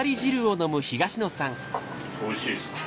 おいしいですか？